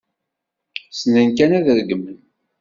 Ssnen kan ad regmen.